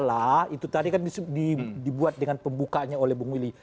itu tadi kan dibuat dengan pembukanya oleh bung willy